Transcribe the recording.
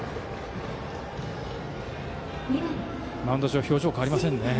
マウンド上、表情変えませんね。